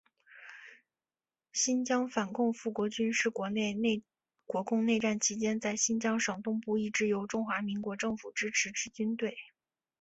新疆反共复国军是国共内战期间在新疆省东部一支由中华民国政府支持之军队。